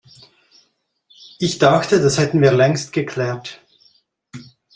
Ich dachte, das hätten wir längst geklärt.